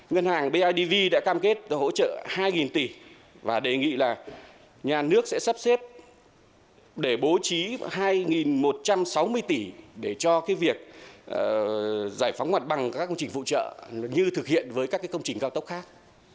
ngân hàng bidv đã cam kết hỗ trợ hai tỷ và đề nghị là nhà nước sẽ sắp xếp để bố trí hai một trăm sáu mươi tỷ để cho việc giải phóng hoạt bằng các công trình phụ trợ như thực hiện với các công trình cao tốc khác